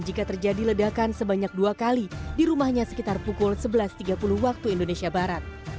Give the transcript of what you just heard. jika terjadi ledakan sebanyak dua kali di rumahnya sekitar pukul sebelas tiga puluh waktu indonesia barat